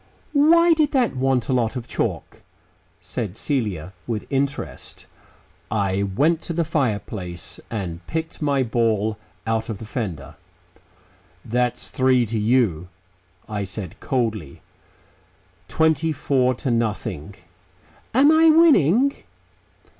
"Why did that want a lot of chalk?" said Celia with interest. I went to the fireplace and picked my ball out of the fender. "That's three to you," I said coldly. "Twenty four to nothing." "Am I winning?"